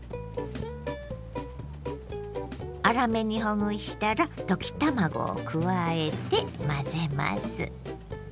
粗めにほぐしたら溶き卵を加えて混ぜます。